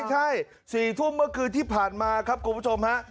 ใช่๔ทุ่มเมื่อคืนที่ผ่านมาครับคุณผู้ชมฮะ